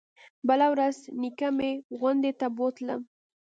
بله ورځ نيكه مې غونډۍ ته بوتلم.